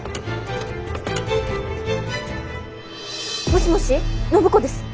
もしもし暢子です。